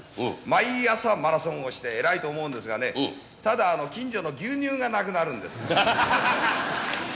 毎朝マラソンをして、偉いと思うんですがね、ただ、近所の牛乳がなくなるんです。